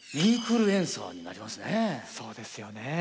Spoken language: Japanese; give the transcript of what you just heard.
そうですよね。